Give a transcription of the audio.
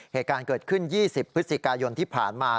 เหตุการณ์เกิดขึ้น๒๐พฤศจิกายนที่ผ่านมา